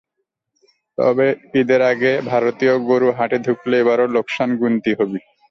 তবে ঈদের আগে ভারতীয় গরু হাটে ঢুকলে এবারও লোকসান গুনতি হবি।